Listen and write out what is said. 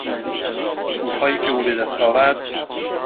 پولهایی که او به دست آورد.